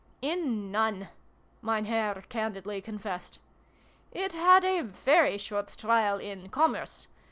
" In none," Mein Herr candidly confessed. " It had a very short trial in Commerce.